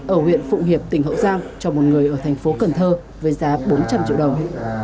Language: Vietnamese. ở huyện phụng hiệp tỉnh hậu giang cho một người ở thành phố cần thơ với giá bốn trăm linh triệu đồng